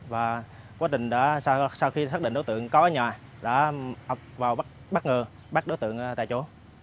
và quá trình đã sau khi xác định đối tượng có ở nhà đã vào bắt ngừa bắt đối tượng tại chỗ